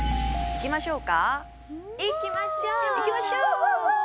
いきましょう！